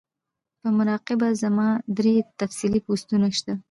پۀ مراقبه زما درې تفصيلی پوسټونه شته